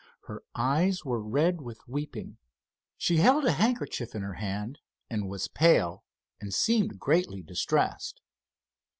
Her eyes were red with weeping. She held a handkerchief in her hand, and was pale and seemed greatly distressed.